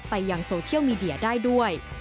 ไปยังโซเชียลมีเดียได้ด้วย